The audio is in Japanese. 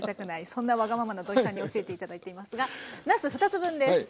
そんなわがままな土井さんに教えて頂いていますがなす２つ分です。